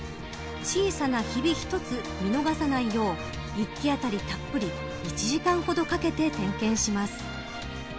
小さなひび一つ見逃さないよう一基あたり、たっぷり１時間ほどかけて点検します。